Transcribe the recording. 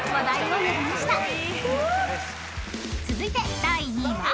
［続いて第２位は］